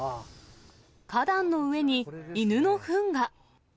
花壇の上に犬のふんが。